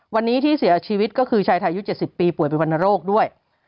วันนี้ที่เสียชีวิตก็คือชายไทยอายุ๗๐ปีป่วยเป็นวรรณโรคด้วย